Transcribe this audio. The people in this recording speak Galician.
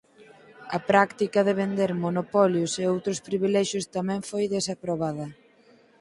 A práctica de vender monopolios e outros privilexios tamén foi desaprobada.